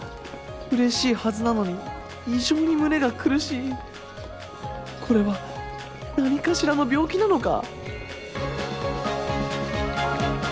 嬉しいはずなのに異常に胸が苦しいこれは何かしらの病気なのか？